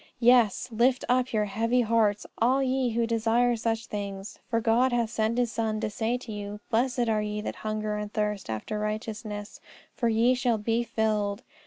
Yes; lift up your heavy hearts, all ye who desire such things, for God hath sent His Son to say to you, Blessed are ye that hunger and thirst after righteousness, for ye shall be filled.